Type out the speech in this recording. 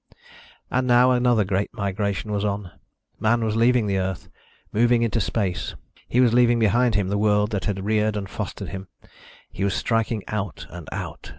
And now another great migration was on man was leaving the Earth, moving into space. He was leaving behind him the world that had reared and fostered him. He was striking out and out.